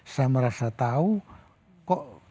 saya merasa tahu kok